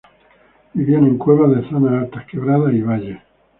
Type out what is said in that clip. Vivian en cuevas de zonas altas, quebradas y valles.